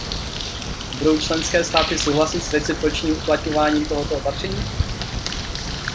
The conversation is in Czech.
Budou členské státy souhlasit s recipročním uplatňováním tohoto opatření?